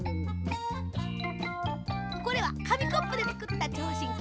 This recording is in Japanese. これはかみコップでつくったちょうしんき。